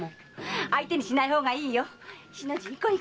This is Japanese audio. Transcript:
相手にしない方がいいよ。